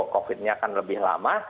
covid nya akan lebih lama